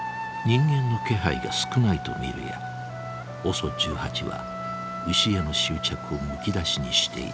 人間の気配が少ないと見るやＯＳＯ１８は牛への執着をむき出しにしていた。